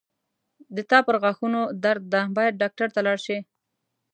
د تا پرغاښونو درد ده باید ډاکټر ته لاړ شې